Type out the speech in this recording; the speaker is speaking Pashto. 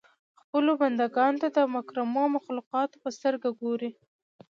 خپلو بنده ګانو ته د مکرمو مخلوقاتو په سترګه ګوري.